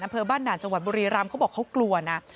อำเภอบ้านด่านจังหวัดบุรีรำเขาบอกเขากลัวนะ